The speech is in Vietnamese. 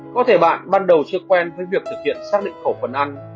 có thể bạn ban đầu chưa quen với việc thực hiện xác định khẩu phần ăn